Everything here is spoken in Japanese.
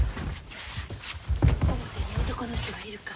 表に男の人がいるか？